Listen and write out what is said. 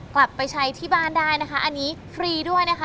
กลับไปใช้ที่บ้านได้นะคะอันนี้ฟรีด้วยนะคะ